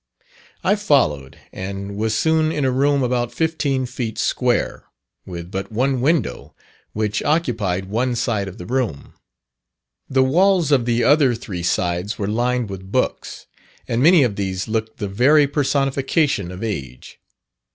I followed, and was soon in a room about fifteen feet square, with but one window, which occupied one side of the room. The walls of the other three sides were lined with books. And many of these looked the very personification of age.